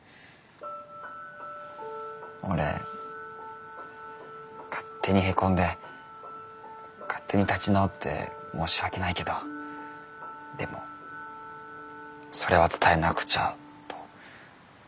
俺勝手にへこんで勝手に立ち直って申し訳ないけどでもそれは伝えなくちゃと心の整理をしてきました。